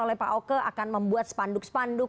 oleh pak oke akan membuat spanduk spanduk